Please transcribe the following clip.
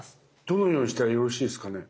どのようにしたらよろしいですかね？